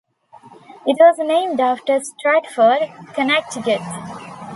It was named after Stratford, Connecticut.